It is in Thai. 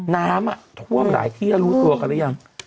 น้ำอ่ะพวกมันหลายที่รู้ตัวกันหรือยัง